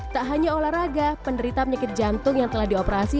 tak hanya olahraga penderita penyakit jantung yang telah dioperasi